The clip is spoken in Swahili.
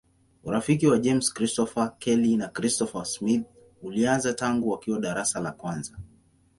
Urafiki wa James Christopher Kelly na Christopher Smith ulianza tangu wakiwa darasa la kwanza.